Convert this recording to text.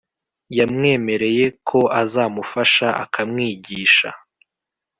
yamwemereye ko azamufasha akamwigisha